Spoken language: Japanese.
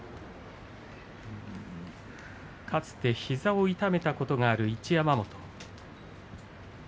かつて膝を痛めたことがある一山本。